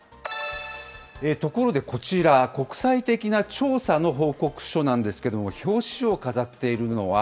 ところでこちら、国際的な調査の報告書なんですけれども、表紙を飾っているのは。